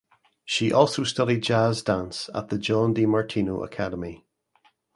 She also studied Jazz dance at the John di Martino Academy.